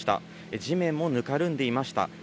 地面もぬかるんでいました。